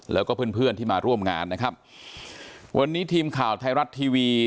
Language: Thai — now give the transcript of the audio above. แล้วก็เพื่อนเพื่อนที่มาร่วมงานนะครับวันนี้ทีมข่าวไทยรัฐทีวี